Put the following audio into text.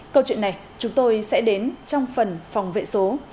câu chuyện này chúng tôi sẽ đến trong phần phòng vệ số